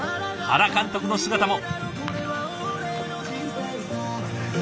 原監督の姿も。